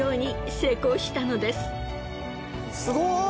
すごい！